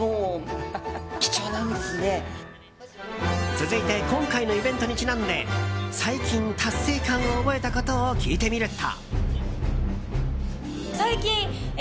続いて今回のイベントにちなんで最近、達成感を覚えたことを聞いてみると。